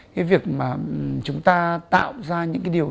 cái việc mà chúng ta tạo ra những cái điều